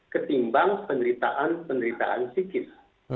ketimbang penderitaan penderitaan psikis